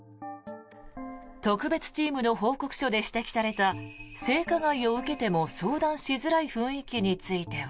特別チームの報告書で指摘された性加害を受けても相談しづらい雰囲気については。